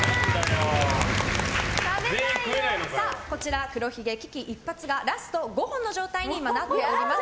こちら、黒ひげ危機一発がラスト５本の状態に今なっております。